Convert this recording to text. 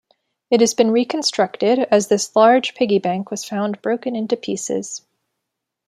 It has been reconstructed, as this large piggy bank was found broken into pieces.